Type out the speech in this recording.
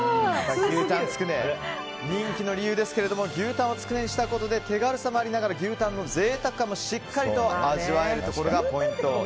牛たんつくね人気の理由ですけども牛タンをつくねにしたことで手軽さもありながら牛タンの贅沢感もしっかりと味わえるところがポイント。